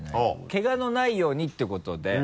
ケガのないようにということで。